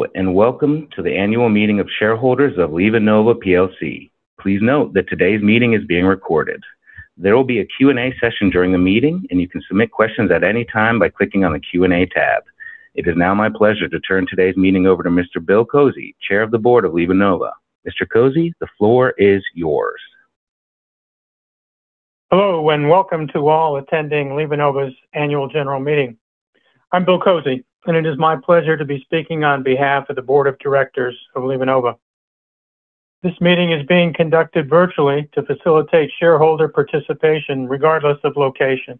Hello, welcome to the annual meeting of shareholders of LivaNova PLC. Please note that today's meeting is being recorded. There will be a Q&A session during the meeting, and you can submit questions at any time by clicking on the Q&A tab. It is now my pleasure to turn today's meeting over to Mr. Bill Kozy, Chair of the Board of LivaNova. Mr. Kozy, the floor is yours. Hello, welcome to all attending LivaNova's Annual General Meeting. I'm William Kozy, and it is my pleasure to be speaking on behalf of the Board of Directors of LivaNova. This meeting is being conducted virtually to facilitate shareholder participation regardless of location.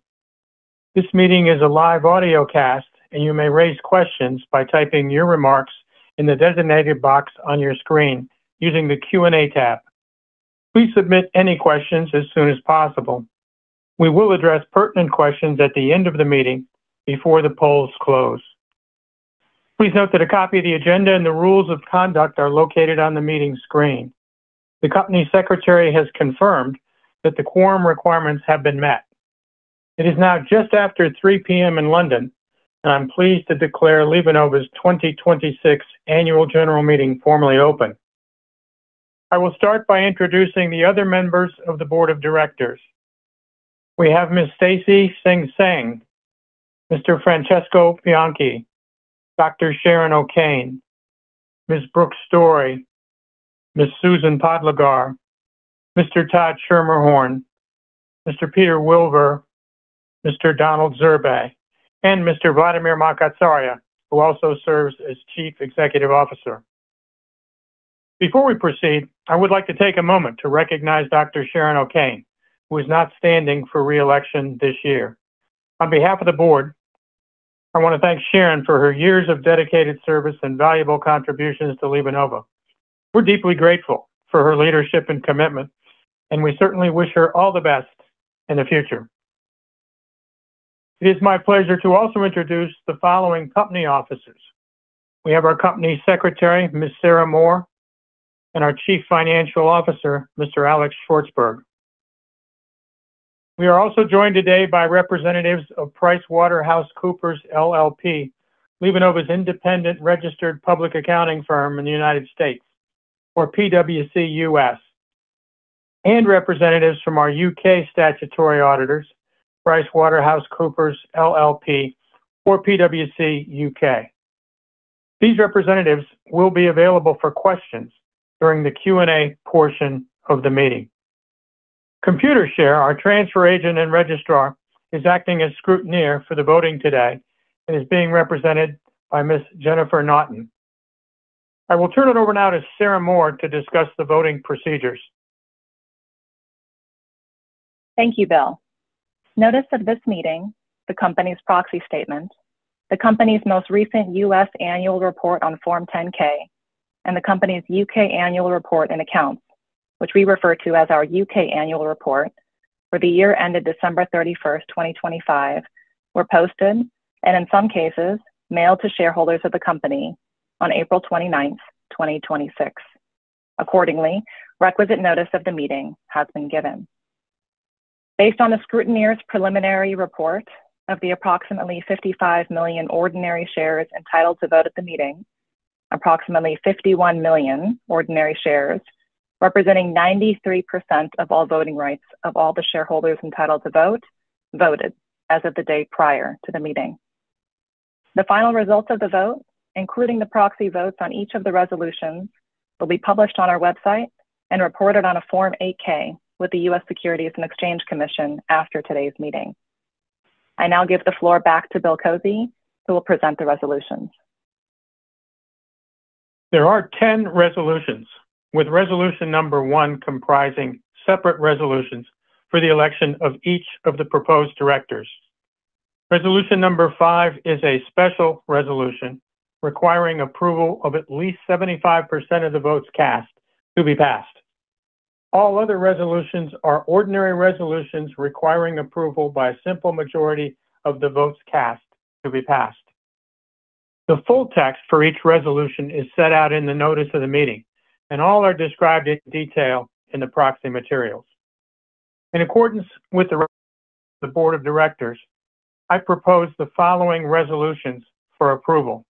This meeting is a live audio cast. You may raise questions by typing your remarks in the designated box on your screen using the Q&A tab. Please submit any questions as soon as possible. We will address pertinent questions at the end of the meeting before the polls close. Please note that a copy of the agenda and the rules of conduct are located on the meeting screen. The Company Secretary has confirmed that the quorum requirements have been met. It is now just after 3:00 P.M. in London. I'm pleased to declare LivaNova's 2026 Annual General Meeting formally open. I will start by introducing the other members of the Board of Directors. We have Ms. Stacy Enxing Seng, Mr. Francesco Bianchi, Sharon O'Kane, Ms. Brooke Story, Ms. Susan Podlogar, Mr. Todd Schermerhorn, Mr. Peter Wilver, Mr. Donald Zurbay, and Mr. Vladimir Makatsaria, who also serves as Chief Executive Officer. Before we proceed, I would like to take a moment to recognize Sharon O'Kane, who is not standing for re-election this year. On behalf of the Board, I want to thank Sharon for her years of dedicated service and valuable contributions to LivaNova. We're deeply grateful for her leadership and commitment. We certainly wish her all the best in the future. It is my pleasure to also introduce the following Company Officers. We have our Company Secretary, Ms. Sarah Moore, and our Chief Financial Officer, Mr. Alex Shvartsburg. We are also joined today by representatives of PricewaterhouseCoopers LLP, LivaNova's independent registered public accounting firm in the U.S., or PwC US, and representatives from our U.K. statutory auditors, PricewaterhouseCoopers LLP, or PwC UK. These representatives will be available for questions during the Q&A portion of the meeting. Computershare, our transfer agent and registrar, is acting as scrutineer for the voting today and is being represented by Ms. Jennifer Naughton. I will turn it over now to Sarah Moore to discuss the voting procedures. Thank you, Bill. Notice of this meeting, the company's proxy statement, the company's most recent U.S. annual report on Form 10-K, and the company's U.K. annual report and accounts, which we refer to as our U.K. annual report, for the year ended December 31, 2025, were posted, and in some cases, mailed to shareholders of the company on April 29, 2026. Accordingly, requisite notice of the meeting has been given. Based on the scrutineer's preliminary report of the approximately 55 million ordinary shares entitled to vote at the meeting, approximately 51 million ordinary shares, representing 93% of all voting rights of all the shareholders entitled to vote, voted as of the day prior to the meeting. The final results of the vote, including the proxy votes on each of the resolutions, will be published on our website and reported on a Form 8-K with the U.S. Securities and Exchange Commission after today's meeting. I now give the floor back to Bill Kozy, who will present the resolutions. There are 10 resolutions, with resolution number one comprising separate resolutions for the election of each of the proposed directors. Resolution number five is a special resolution requiring approval of at least 75% of the votes cast to be passed. All other resolutions are ordinary resolutions requiring approval by a simple majority of the votes cast to be passed. The full text for each resolution is set out in the notice of the meeting, and all are described in detail in the proxy materials. In accordance with the request of the board of directors, I propose the following resolutions for approval.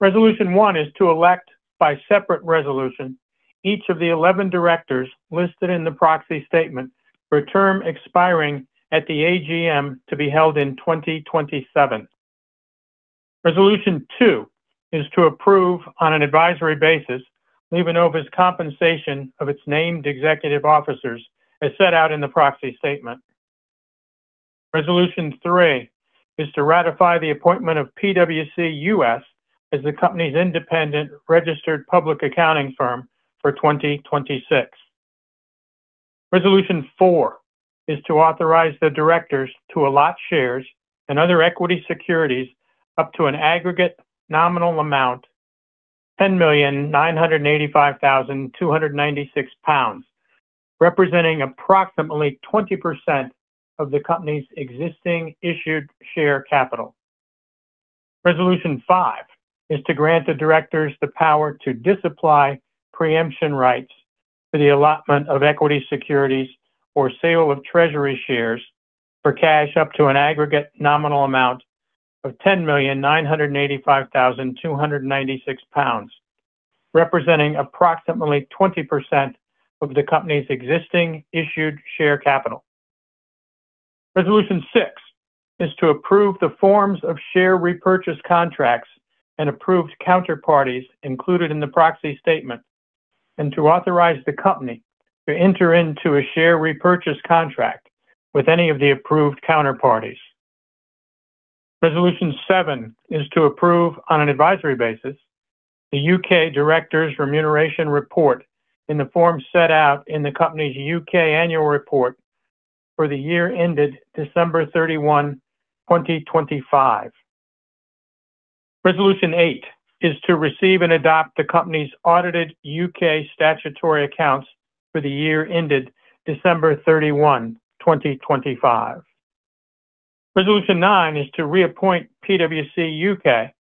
Resolution one is to elect, by separate resolution, each of the 11 directors listed in the proxy statement for a term expiring at the AGM to be held in 2027. Resolution two is to approve, on an advisory basis, LivaNova's compensation of its named executive officers as set out in the proxy statement. Resolution three is to ratify the appointment of PwC US as the company's independent registered public accounting firm for 2026. Resolution four is to authorize the directors to allot shares and other equity securities up to an aggregate nominal amount, 10,985,296 pounds, representing approximately 20% of the company's existing issued share capital. Resolution five is to grant the directors the power to disapply preemption rights to the allotment of equity securities or sale of treasury shares for cash up to an aggregate nominal amount of 10,985,296 pounds, representing approximately 20% of the company's existing issued share capital. Resolution 6 is to approve the forms of share repurchase contracts and approved counterparties included in the proxy statement, and to authorize the company to enter into a share repurchase contract with any of the approved counterparties. Resolution 7 is to approve, on an advisory basis, the UK Directors' Remuneration Report in the form set out in the company's UK Annual Report for the year ended December 31, 2025. Resolution 8 is to receive and adopt the company's audited UK statutory accounts for the year ended December 31, 2025. Resolution 9 is to reappoint PwC UK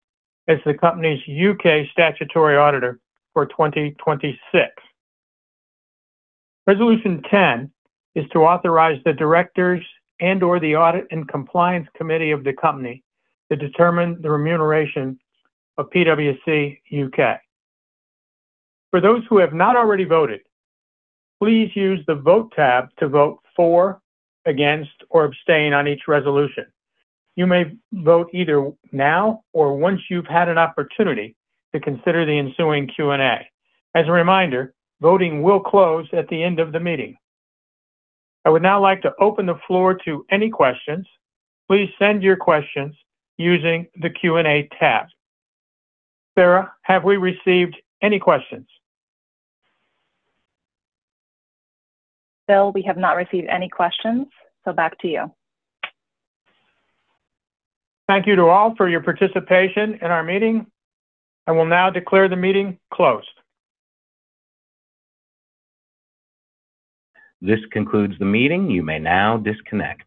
as the company's UK statutory auditor for 2026. Resolution 10 is to authorize the directors and/or the Audit & Compliance Committee of the company to determine the remuneration of PwC UK. For those who have not already voted, please use the Vote tab to vote for, against, or abstain on each resolution. You may vote either now or once you've had an opportunity to consider the ensuing Q&A. As a reminder, voting will close at the end of the meeting. I would now like to open the floor to any questions. Please send your questions using the Q&A tab. Sarah, have we received any questions? Bill, we have not received any questions. Back to you. Thank you to all for your participation in our meeting. I will now declare the meeting closed. This concludes the meeting. You may now disconnect.